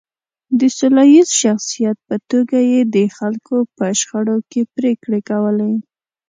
د سوله ییز شخصیت په توګه یې د خلکو په شخړو کې پرېکړې کولې.